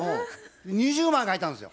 ２０枚書いたんですよ。